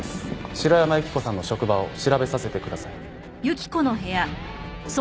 城山由希子さんの職場を調べさせてください。